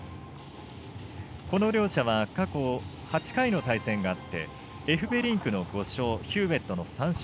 この両者は過去８回の対戦がありエフベリンクの５勝ヒューウェットの３勝。